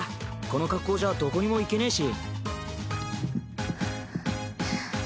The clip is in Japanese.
この格好じゃどこにも行けねぇし。